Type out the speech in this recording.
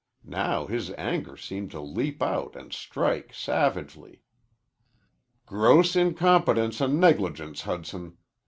Now his anger seemed to leap out and strike savagely. "Gross incompetence and negligence, Hudson.